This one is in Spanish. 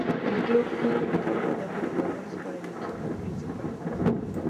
El club fue un formador de jugadores para el equipo principal.